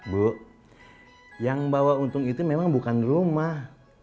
bu yang bawa untung itu memang bukan rumah